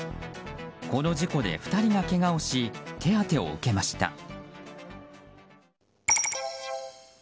この事故で２人がけがをし手当てを受けました。